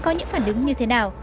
sẽ có những phản ứng như thế nào